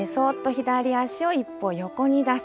左足を一歩横に出す。